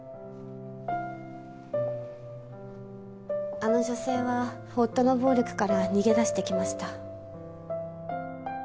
あの女性は夫の暴力から逃げ出してきました。